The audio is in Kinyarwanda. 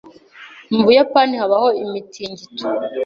Mu Buyapani habaho imitingito.